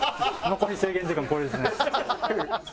残り制限時間これですね。